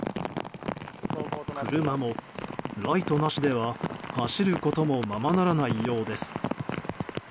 車もライトなしでは走ることもままならないようです。